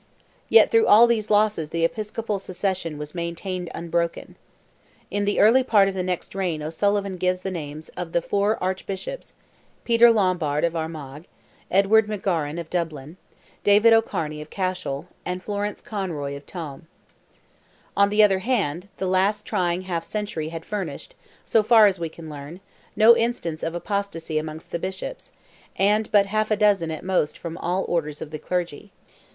Yet through all these losses the episcopal succession was maintained unbroken. In the early part of the next reign O'Sullivan gives the names of the four Archbishops, Peter Lombard of Armagh, Edward McGauran of Dublin, David O'Carny of Cashel, and Florence Conroy of Tuam. On the other hand, the last trying half century had furnished, so far as we can learn, no instance of apostacy among the Bishops, and but half a dozen at most from all orders of the clergy.